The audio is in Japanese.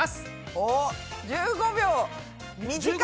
おっ１５秒！